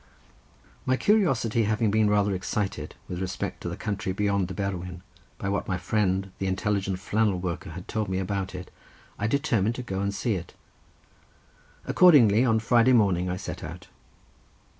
My curiosity having been rather excited with respect to the country beyond the Berwyn, by what my friend, the intelligent flannel worker, had told me about it, I determined to go and see it. Accordingly on Friday morning I set out.